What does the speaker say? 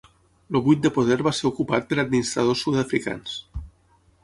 El buit de poder va ser ocupat per administradors sud-africans.